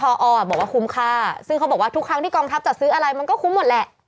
พอบอกว่าคุ้มค่าซึ่งเขาบอกว่าทุกครั้งที่กองทัพจัดซื้ออะไรมันก็คุ้มหมดแหละ